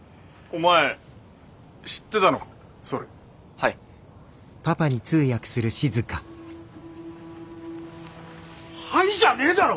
「はい」じゃねぇだろ